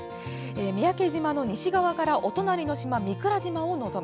三宅島の西側からお隣の島・御蔵島を臨む。